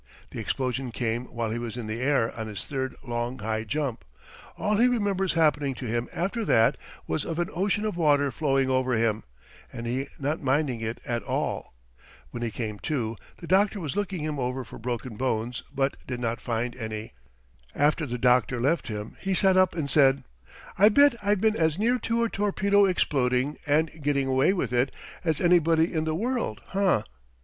The explosion came while he was in the air on his third long high jump. All he remembers happening to him after that was of an ocean of water flowing over him, and he not minding it at all. When he came to, the doctor was looking him over for broken bones, but did not find any. After the doctor left him he sat up and said: "I bet I've been as near to a torpedo exploding and getting away with it as anybody in the world, hah?"